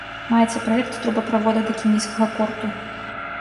Маецца праект трубаправода да кенійскага порту.